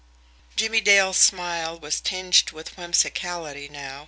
Jimmie Dale's smile was tinged with whimsicality now.